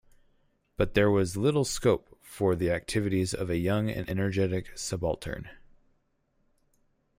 But there was little scope for the activities of a young and energetic subaltern.